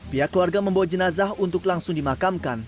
pihak keluarga membawa jenazah untuk langsung dimakamkan